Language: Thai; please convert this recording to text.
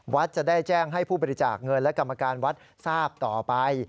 จะได้แจ้งให้ผู้บริจาคเงินและกรรมการวัดทราบต่อไป